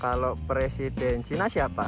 kalau presiden china siapa